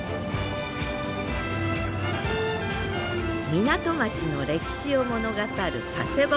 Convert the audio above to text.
港町の歴史を物語る佐世保。